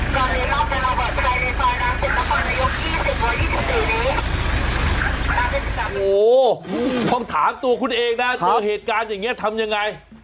โอ้โหต้องถามตัวคุณเองนะเจอเหตุการณ์อย่างนี้ทำยังไง